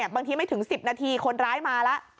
บางทีไม่ถึง๑๐นาทีคนร้ายมาแล้ว